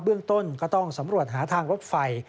เบื้องต้นก็ต้องสำรวจหาทางรถไฟ